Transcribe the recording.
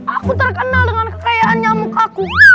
aku terkenal dengan kekayaan nyamuk aku